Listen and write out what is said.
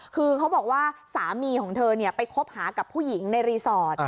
คือเขาบอกว่าสามีของเธอไปคบหากับผู้หญิงในรีสอร์ท